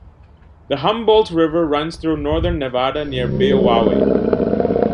The Humboldt River runs through northern Nevada near Beowawe.